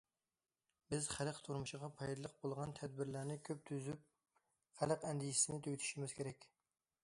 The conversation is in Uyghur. بىز خەلق تۇرمۇشىغا پايدىلىق بولغان تەدبىرلەرنى كۆپ تۈزۈپ، خەلق ئەندىشىسىنى تۈگىتىشىمىز كېرەك.